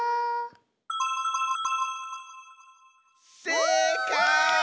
せいかい！